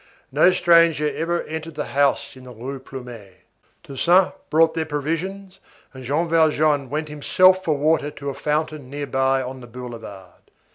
No stranger ever entered the house in the Rue Plumet. Toussaint brought their provisions, and Jean Valjean went himself for water to a fountain nearby on the boulevard.